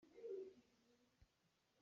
Hi rian kong hi khoi ka ah dah na theih?